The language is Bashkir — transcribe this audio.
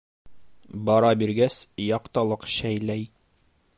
Бара биргәс, яҡтылыҡ шәйләй.